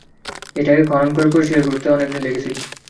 এটাকে খনন করে পরিষ্কার করতে অনেকদিন লেগেছিলো।